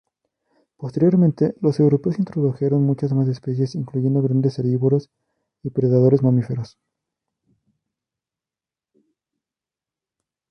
Posteriormente, los europeos introdujeron muchas más especies, incluyendo grandes herbívoros y predadores mamíferos.